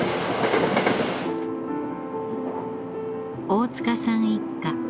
大塚さん一家。